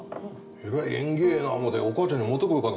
えらい縁起ええな思てお母ちゃんに持ってこようかな